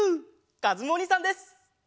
かずむおにいさんです！